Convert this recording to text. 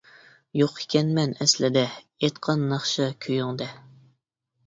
يوق ئىكەنمەن ئەسلىدە، ئېيتقان ناخشا كۈيۈڭدە.